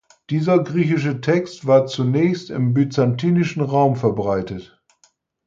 Dieser griechische Text war zunächst im byzantinischen Raum verbreitet.